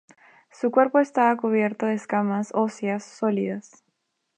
Su cuerpo estaba cubierto de escamas óseas sólidas.